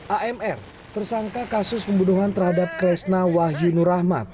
amr tersangka kasus pembunuhan terhadap kresna wahyunur ahmad